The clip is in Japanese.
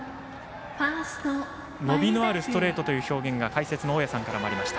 伸びのあるストレートという表現が解説の大矢さんからもありました。